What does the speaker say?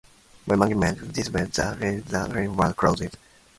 When management discovered the project the campus was closed.